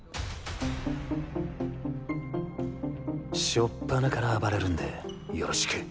初っ端から暴れるんでよろしく。